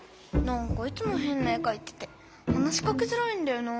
なんかいつもへんな絵かいてて話しかけづらいんだよな。